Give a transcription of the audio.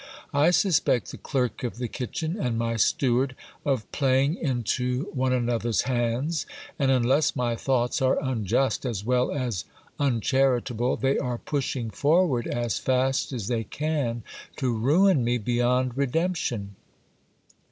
I suspect the clerk of the kitchen and my steward of playing into one another's hands ; and unless my thoughts are unjust as well as uncharitable, they are pushing forward as fast as they can to ruin me beyond redemption.